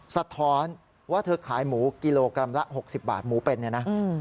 สะท้อนว่าเธอขายหมูกิโลกรัมละ๖๐บาทหมูเป็นเนี่ยนะ